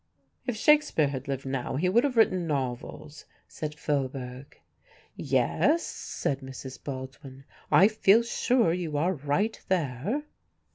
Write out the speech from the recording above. "If Shakespeare had lived now he would have written novels," said Faubourg. "Yes," said Mrs. Baldwin, "I feel sure you are right there."